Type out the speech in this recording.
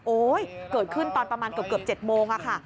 เกิดขึ้นตอนประมาณเกือบ๗โมงค่ะ